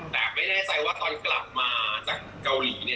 แต่ไม่แน่ใจว่าตอนกลับมาจากเกาหลี